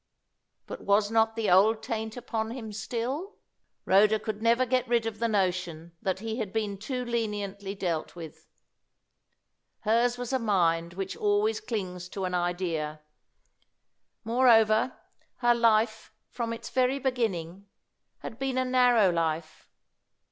But was not the old taint upon him still? Rhoda could never get rid of the notion that he had been too leniently dealt with. Hers was a mind which always clings to an idea. Moreover, her life, from its very beginning, had been a narrow life.